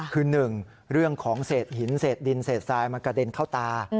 คือ๑เรื่องของเศษหินเศษดินเศษทรายมันกระเด็นเข้าตา